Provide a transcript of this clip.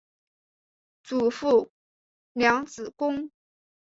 祖父梁子恭。